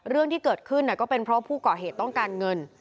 เรื่องที่เกิดขึ้นก็เป็นเพราะผู้ก่อเหตุต้องการเงิน